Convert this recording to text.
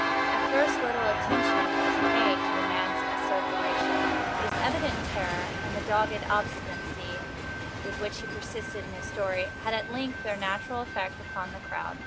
At first little attention was paid to the man's asseveration; but his evident terror, and the dogged obstinacy with which he persisted in his story, had at length their natural effect upon the crowd.